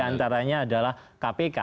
ya antaranya adalah kpk